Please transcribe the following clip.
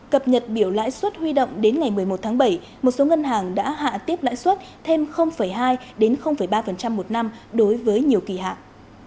cập nhật biểu lãi suất huy động đến ngày một mươi một tháng bảy một số ngân hàng đã hạ tiếp lãi suất thêm hai ba một năm đối với nhiều kỳ hạn